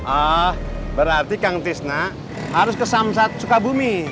ah berarti kang tisna harus ke samsat sukabumi